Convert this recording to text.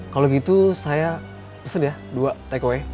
kalau gitu saya pesan ya dua takeaway